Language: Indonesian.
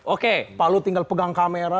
oke pak lu tinggal pegang kamera